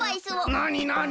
なになに？